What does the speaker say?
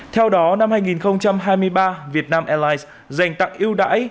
theo đó năm hai nghìn hai mươi ba việt nam airlines dành tặng ưu đãi